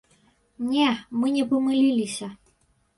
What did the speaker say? Не, мы не памыліліся.